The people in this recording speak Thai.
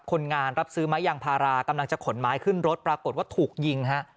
คนงานรับซื้อไม้ยางพารากำลังจะขนไม้ขึ้นรถปรากฏว่าถูกยิงฮะ